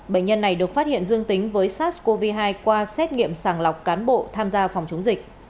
bệnh nhân này được phát hiện dương tính với sars cov hai qua xét nghiệm sàng lọc cán bộ tham gia phòng chống dịch